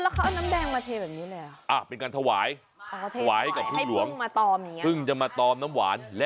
คราวนั้นเขาเอาน้ำแดงมาเทแบบนี้ละ